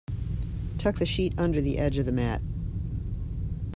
Tuck the sheet under the edge of the mat.